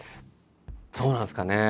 そうなんですかね。